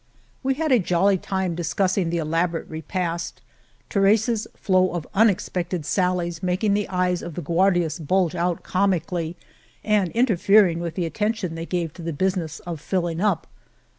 We had a jolly time discussing the elabo rate repast, Teresa's flow of unexpected sallies making the eyes of the Guardias bulge out comically, and interfering with the attention they gave to the business of filling up.